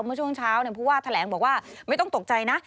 เมื่อช่วงเช้าผู้ว่าแถลงบอกว่าไม่ต้องตกใจนะ